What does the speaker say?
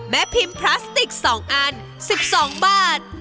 พิมพ์พลาสติก๒อัน๑๒บาท